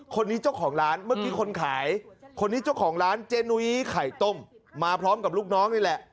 คนนี้เจ้าของร้านเมื่อกี้คนขายคนนี้เจ้าของร้านเจนุ้ยไข่ต้มมาพร้อมกับลูกน้องนี่แหละ